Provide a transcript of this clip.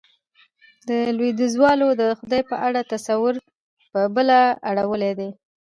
لوېديځوالو د خدای په اړه تصور، په بله اړولی دی.